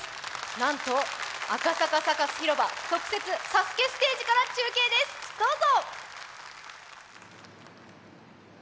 なんと赤坂サカス「ＳＡＳＵＫＥ」特設ステージから中継です、どうぞ。